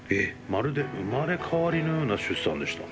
「まるで生まれ変わりのような出産でした」。